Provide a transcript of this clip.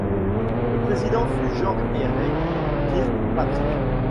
Le Président fut George Airey Kirkpatrick.